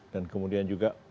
dan kemudian juga